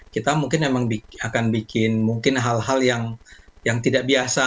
kita mungkin memang akan bikin mungkin hal hal yang tidak biasa